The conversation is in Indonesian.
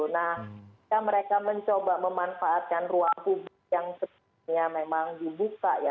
nah mereka mencoba memanfaatkan ruang publik yang sebenarnya memang dibuka ya